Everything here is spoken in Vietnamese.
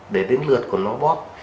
để đến lượt của nó bóp